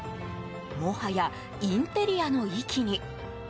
もはや、インテリアの域に。